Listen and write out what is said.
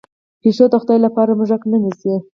پیشو د خدای لپاره موږک نه نیسي.